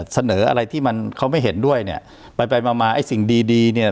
เสนออะไรที่มันเขาไม่เห็นด้วยเนี่ยไปไปมามาไอ้สิ่งดีดีเนี่ย